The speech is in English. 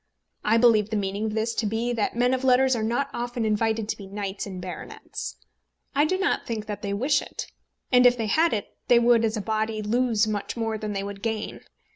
I believe the meaning of this to be that men of letters are not often invited to be knights and baronets. I do not think that they wish it; and if they had it they would, as a body, lose much more than they would gain.